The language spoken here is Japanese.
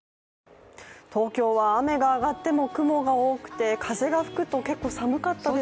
東京は雨が上がっても雲が多くて風が吹くと結構寒かったです。